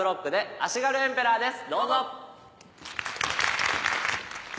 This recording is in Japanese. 足軽エンペラーです！